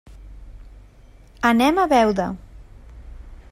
Anem a Beuda.